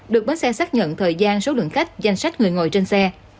được bến xe xác nhận thời gian số lượng khách danh sách người ngồi trên xe